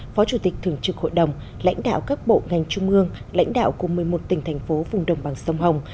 phó chủ tịch thường trực hội đồng lãnh đạo các bộ ngành trung ương lãnh đạo của một mươi một tỉnh thành phố vùng đồng bằng sông hồng